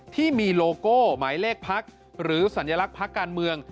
ที่มีโลโก้หมายเลขพักหรือสัญลักษณ์พักการเมือง